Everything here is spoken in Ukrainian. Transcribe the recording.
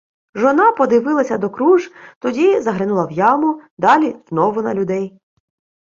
Жона подивилася докруж, тоді заглянула в яму, далі знову на людей.